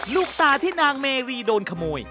ลูกตาที่นางเมวีโดนขโมย